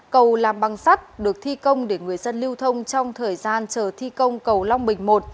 cầu làm băng sắt được thi công để người dân lưu thông trong thời gian chờ thi công cầu long bình một